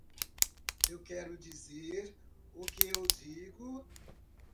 Eu quero dizer o que eu digo.